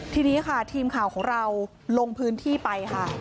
ทีนี้ค่ะทีมข่าวของเราลงพื้นที่ไปค่ะ